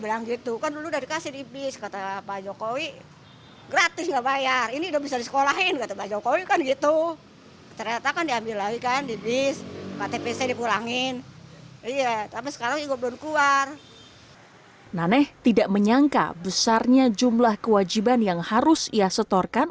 ruw lima kelurahan grogol utara mengaku telah menerima sertifikat tanah eks desa yang harus dikumpulkan